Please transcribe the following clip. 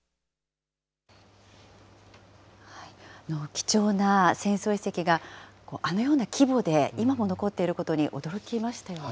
貴重な戦争遺跡が、あのような規模で今も残っていることに驚きましたよね。